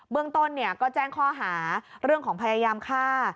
เมืองต้นก็แจ้งข้อหาเรื่องของพยายามฆ่า